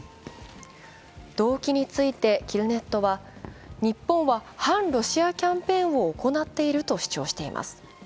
動機についてキルネットは日本は反ロシアキャンペーンを行っていると主張しています。